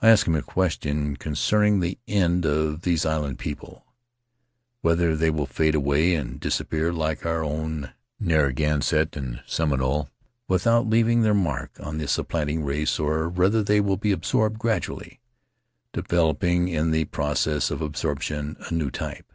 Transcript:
I asked him a question concerning the end of these island people — whether they will fade away and dis appear, like our own Narragansett and Seminole, with out leaving their mark on the supplanting race or Faery Lands of the South Seas whether they will be absorbed gradually, developing in the process of absorption a new type.